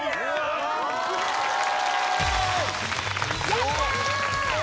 やったー！